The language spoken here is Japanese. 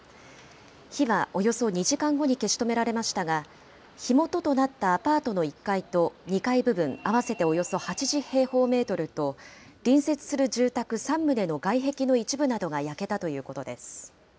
火はおよそ２時間後に消し止められましたが、火元となったアパートの１階と２階部分合わせておよそ８０平方メートルと、隣接する住宅３棟の外壁の一部などが焼けたということです。